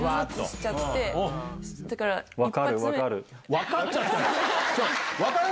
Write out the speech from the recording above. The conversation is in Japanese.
分かっちゃったよ！